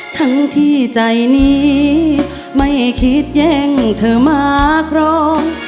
ทั้งที่ใจนี้ไม่คิดแย่งเธอมาครอง